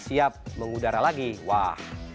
siap mengudara lagi wah